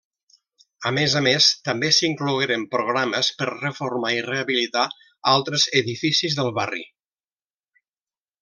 A més a més, també s'inclogueren programes per reformar i rehabilitar altres edificis del barri.